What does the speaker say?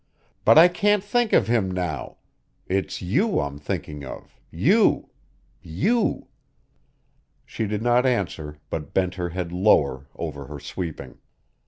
But I can't think of him now. It's you I'm thinking of you you." She did not answer but bent her head lower over her sweeping.